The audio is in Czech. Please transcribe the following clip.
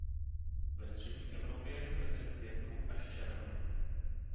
Ve střední Evropě kvete v květnu až červnu.